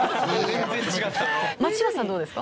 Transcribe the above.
松嶋さんどうですか？